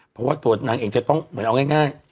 เพราะว่าตัวนางเองจะต้องเหมือนเอาง่าย